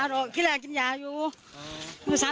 คุณก็รู้ว่านักดูแลเค้ากันอย่างไรมาทำ